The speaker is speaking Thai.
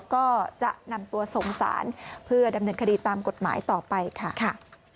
ก็จะนำตัวส่งสารเพื่อดำเนินคดีตามกฎหมายต่อไปค่ะ